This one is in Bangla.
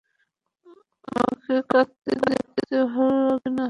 আমাকে কাঁদতে দেখতে ভালো লাগে, না?